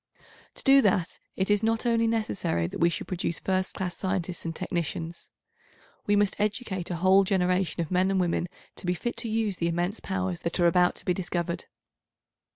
To do that it is not only necessary that we should produce first class scientists and technicians. We must educate a whole generation of men and women to be fit to use the immense powers that are about to be discovered.